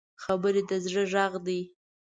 خبرې د زړه غږ دی